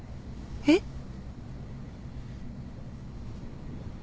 えっ？